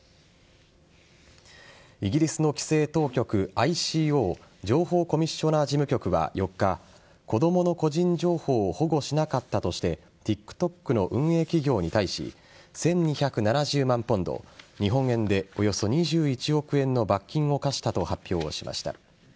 イギリスの規制当局ＩＣＯ＝情報コミッショナー事務局は４日子供の個人情報を保護しなかったとして１２７０万ポンド日本円でおよそ２１億円の罰金を科したと発表をしました。